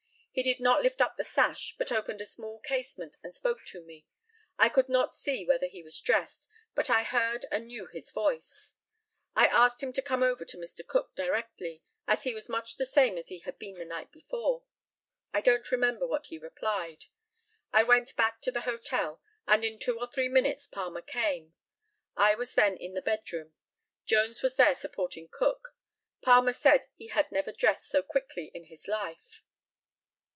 He did not lift up the sash, but opened a small casement and spoke to me. I could not see whether he was dressed, but I heard and knew his voice. I asked him to come over to Mr. Cook directly, as he was much the same as he had been the night before. I don't remember what he replied. I went back to the hotel, and in two or three minutes Palmer came. I was then in the bed room. Jones was there supporting Cook. Palmer said he had never dressed so quickly in his life.